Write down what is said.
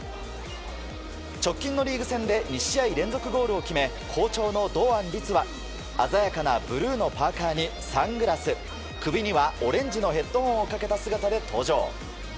直近のリーグ戦で２試合連続ゴールを決め好調の堂安律は、鮮やかなブルーのパーカにサングラス首にはオレンジのヘッドホンをかけた姿で登場。